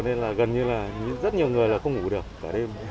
nên là gần như là rất nhiều người là không ngủ được cả đêm